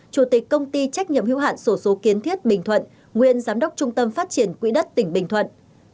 chủ tịch công ty trách nhiệm hữu hạn sổ số kiến thiết bình thuận nguyên giám đốc trung tâm phát triển quỹ đất tỉnh bình thuận